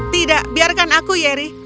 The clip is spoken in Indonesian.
tidak biarkan aku yeri